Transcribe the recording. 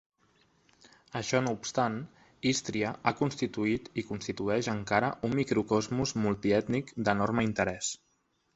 Això no obstant, Ístria ha constituït i constitueix encara un microcosmos multiètnic d'enorme interès.